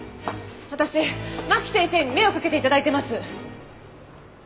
私牧先生に目をかけて頂いてます。